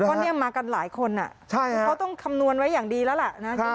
ก็เนี่ยมากันหลายคนเขาต้องคำนวณไว้อย่างดีแล้วล่ะนะ